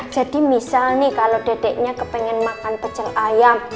jadi misal nih kalo dedeknya kepengen makan pecel ayam